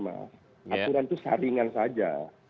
aturan itu saringan saja